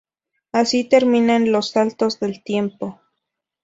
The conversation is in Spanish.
Así terminan los saltos del tiempo.